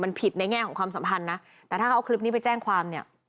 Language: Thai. มันผิดในแง่ของความสัมพันธ์นะแต่ถ้าเขาเอาคลิปนี้ไปแจ้งความเนี่ย